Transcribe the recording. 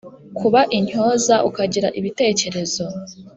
kuba intyoza, ukagira ibitekerezo